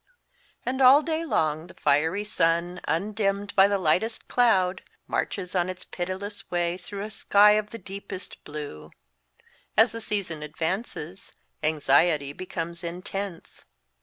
And all day long the fiery sun, undimmed by the lightest cloud, marches on its pitiless way through a sky of the deepest blue. As the season advances, anxiety becomes intense.